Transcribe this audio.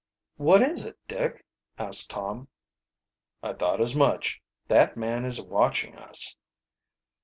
"What is it, Dick?" asked Tom. "I thought as much. That man is watching us."